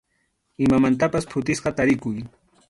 Imamantapas phutisqa tarikuy.